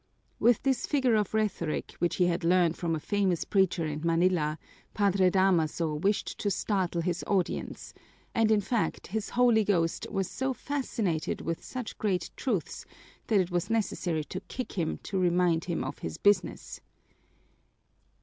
With this figure of rhetoric, which he had learned from a famous preacher in Manila, Padre Damaso wished to startle his audience, and in fact his holy ghost was so fascinated with such great truths that it was necessary to kick him to remind him of his business.